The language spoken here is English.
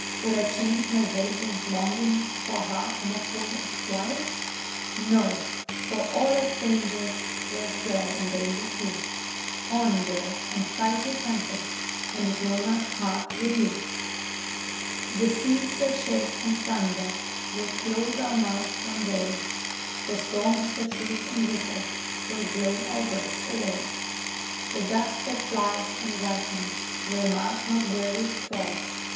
Would I change my vagrant longings for a heart more full of quiet? No!—for all its dangers, there is joy in danger too: On, bird, and fight your tempests, and this nomad heart with you! The seas that shake and thunder will close our mouths one day, The storms that shriek and whistle will blow our breaths away. The dust that flies and whitens will mark not where we trod.